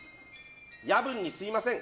夜分にすみません。